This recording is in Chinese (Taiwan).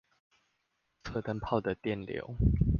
測燈泡的電流